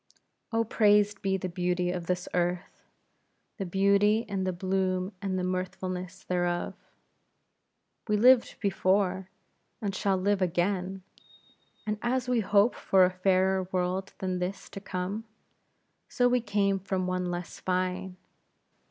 Oh, praised be the beauty of this earth; the beauty, and the bloom, and the mirthfulness thereof. We lived before, and shall live again; and as we hope for a fairer world than this to come; so we came from one less fine.